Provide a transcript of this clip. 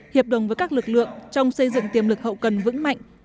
hiệp đồng với các lực lượng trong xây dựng tiềm lực hậu cần vững mạnh